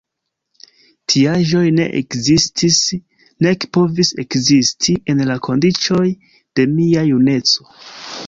Tiaĵoj ne ekzistis, nek povis ekzisti en la kondiĉoj de mia juneco.